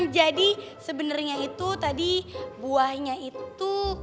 jadi sebenernya itu tadi buahnya itu